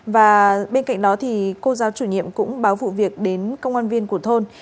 và bên cạnh đó thì cô giáo chủ nhiệm cũng báo vụ việc đến công an viên của thôn